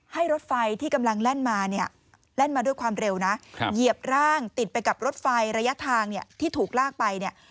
ให้รถไฟที่กำลังแล่นมาเนี่ยแล่นมาด้วยความเร็วนะเหยียบร่างติดไปกับรถไฟระยะทางเนี่ยที่ถูกลากไปเนี่ย